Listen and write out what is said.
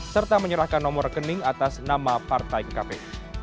serta menyerahkan nomor rekening atas nama partai kpu